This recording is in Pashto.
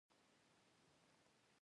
اکسیجن اخلي او کاربن دای اکساید خارجوي.